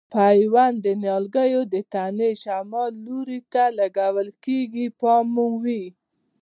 پیوند د نیالګي د تنې شمال لوري ته لګول کېږي پام مو وي.